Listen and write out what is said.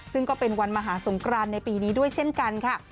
ซึ่งก็เป็นวันมหาสงครานในปีนี้ด้วยเช่นกันค่ะ